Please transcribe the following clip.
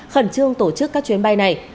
khẩn trương tổ chức các chuyến bay này